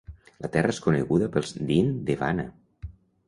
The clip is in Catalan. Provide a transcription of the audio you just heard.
La terra és coneguda pels "Deen Deewana".